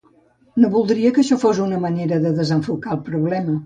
No voldria que això fos una manera de desenfocar el problema.